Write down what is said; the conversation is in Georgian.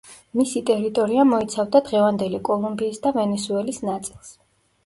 მისი ტერიტორია მოიცავდა დღევანდელი კოლუმბიის და ვენესუელის ნაწილს.